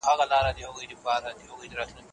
مجاهد د حق دپاره په اخلاص جنګېدی.